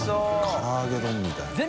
唐揚げ丼みたいな。